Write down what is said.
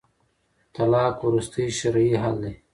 طلاق وروستی شرعي حل دی